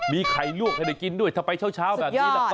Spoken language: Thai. มีไข่ลวกให้ได้กินด้วยถ้าไปช้าแบบนี้นะก็สุดยอดเลย